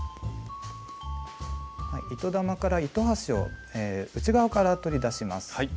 糸玉から糸端を内側から取り出します。